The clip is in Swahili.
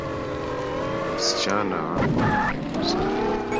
Msichana wangu ni mrembo sana